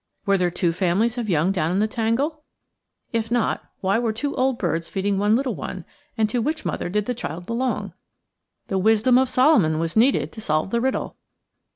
Were there two families of young down in the tangle? If not, why were two old birds feeding one little one, and to which mother did the child belong? The wisdom of Solomon was needed to solve the riddle.